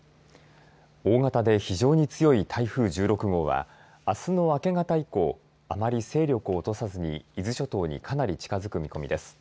大型で非常に強い台風１６号はあすの明け方以降あまり勢力を落とさずに伊豆諸島にかなり近づく見込みです